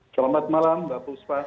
selamat malam mbak fusfa